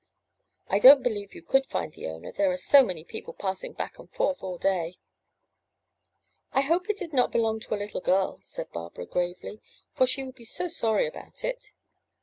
I don't believe you could find the owner, there are so many people passing back and forth all day." '1 hope it did not belong to a little girl,'' said Barbara gravely, ''for she will be so sorry about it.